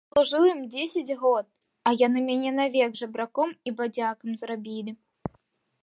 Я служыў ім дзесяць год, а яны мяне навек жабраком і бадзякам зрабілі.